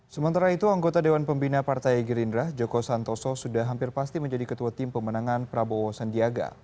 sementara itu anggota dewan pembina partai gerindra joko santoso sudah hampir pasti menjadi ketua tim pemenangan prabowo sandiaga